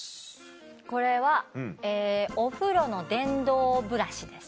これはお風呂の電動ブラシです。